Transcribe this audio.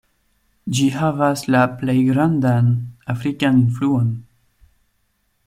Ĝi havas la plej grandan afrikan influon.